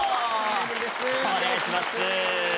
お願いします。